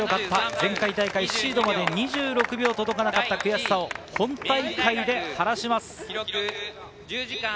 前回シードまで２６秒届かなかった悔しさを本大会で晴らします。